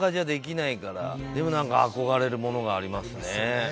でもなんか憧れるものがありますね。